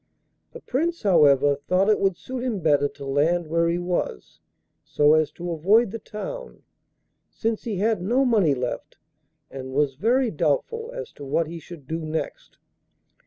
The Prince, however, thought it would suit him better to land where he was, so as to avoid the town, since he had no money left and was very doubtful as to what he should do next.